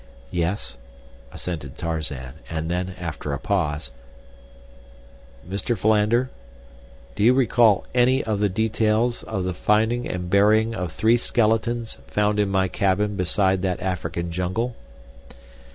"Yes," assented Tarzan, and then, after a pause, "Mr. Philander, do you recall any of the details of the finding and burying of three skeletons found in my cabin beside that African jungle?"